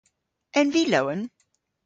En vy lowen?